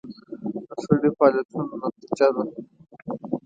سړي فعالیتونو نتیجه ده.